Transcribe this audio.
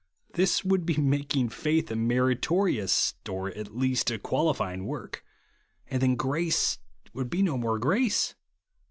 This would be making faith a meri torious, or, at least, a qualifying work ; and then grace would be no more grace.